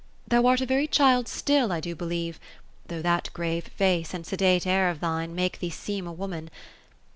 Thou art a very child still, I do believe, though that grave face, and sedate air of thine, make thee seem a woman.